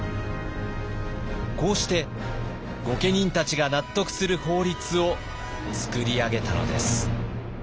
こうして御家人たちが納得する法律を作り上げたのです。